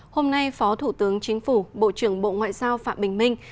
hôm nay phó thủ tướng chính phủ bộ trưởng bộ ngoại giao phạm bình minh